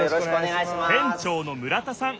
店長の村田さん。